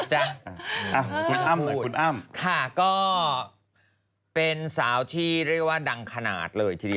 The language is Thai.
วันนี้หนูว่าทำไมคิดถึงรถเมล์ไม่พิเศษ